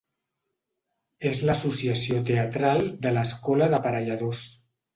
És l'associació teatral de l'Escola d'Aparelladors.